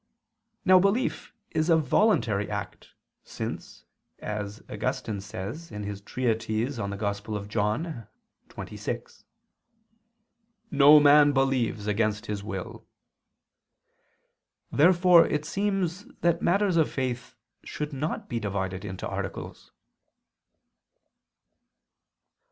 Now belief is a voluntary act, since, as Augustine says (Tract. xxvi in Joan.), "no man believes against his will." Therefore it seems that matters of faith should not be divided into articles.